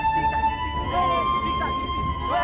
si kiki mendarat dimana ya